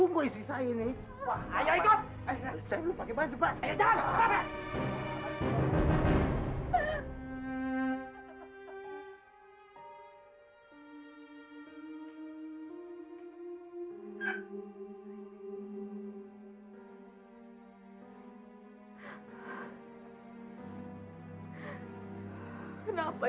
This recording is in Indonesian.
kamu ini nanya melulu sih